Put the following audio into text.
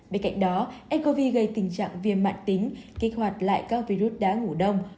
bên cạnh đó ncov gây tình trạng viêm mạng tính kích hoạt lại các virus đã ngủ đông